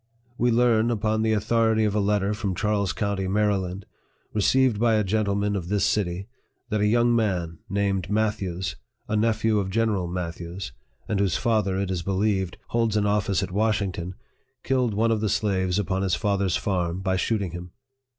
We learn, upon the authority of a letter from Charles county, Maryland, received by a gentleman of this city, that a young man, named Matthews, a nephew of General Matthews, and whose father, it is believed, holds an office at Washington, killed one of the slaves upon his father's farm by shooting him.